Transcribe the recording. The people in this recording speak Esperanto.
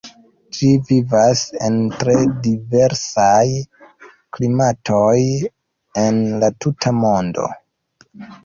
Ĝi vivas en tre diversaj klimatoj en la tuta mondo.